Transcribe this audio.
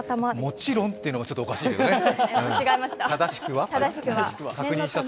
もちろんっていうのがおかしいけどね。